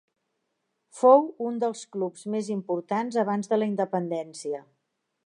Fou un dels clubs més importants abans de la independència.